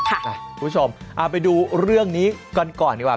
คุณผู้ชมเอาไปดูเรื่องนี้กันก่อนดีกว่า